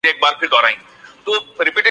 فیضؔ تھی راہ سر بسر منزل